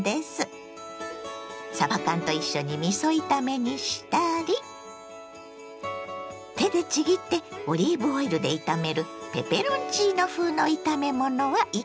さば缶と一緒にみそ炒めにしたり手でちぎってオリーブオイルで炒めるペペロンチーノ風の炒め物はいかが？